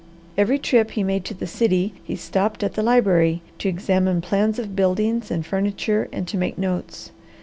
Every trip he made to the city he stopped at the library to examine plans of buildings and furniture and to make notes.